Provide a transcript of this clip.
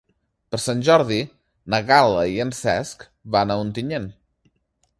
Per Sant Jordi na Gal·la i en Cesc van a Ontinyent.